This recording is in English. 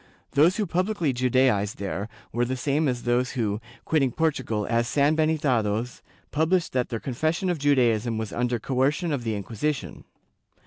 Those who publicly Judaized there were the same as those who, quitting Portugal as sanhenitados, published that their confession of Judaism was under coercion of the Inquisition.